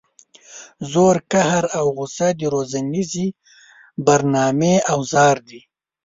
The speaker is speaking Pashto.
زور قهر او غصه د روزنیزې برنامې اوزار دي.